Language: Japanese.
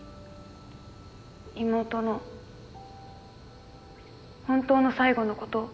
妹の本当の最後のことを。